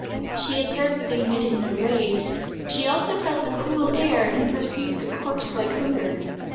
She observed that they emitted no rays. She also felt the cool air, and perceived the corpse like odor.